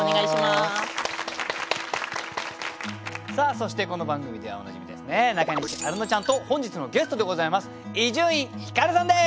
そしてこの番組ではおなじみですね中西アルノちゃんと本日のゲストでございます伊集院光さんです。